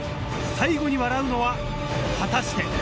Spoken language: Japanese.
最後に笑うのは果たして。